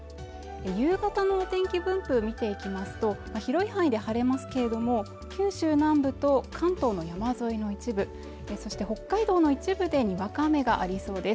夕方のお天気分布を見ていきますと、広い範囲で晴れますけれども、九州南部と関東の山沿いの一部そして北海道の一部でにわか雨がありそうです